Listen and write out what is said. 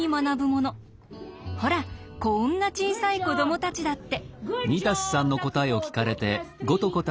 ほらこんな小さい子どもたちだって。